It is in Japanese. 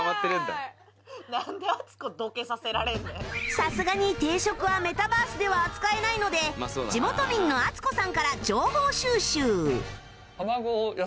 さすがに定食はメタバースでは扱えないので地元民のあつこさんから情報収集